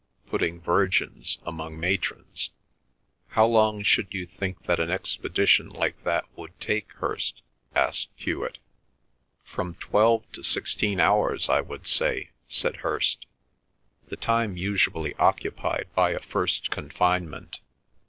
"Putting virgins among matrons." "How long should you think that an expedition like that would take, Hirst?" asked Hewet. "From twelve to sixteen hours I would say," said Hirst. "The time usually occupied by a first confinement."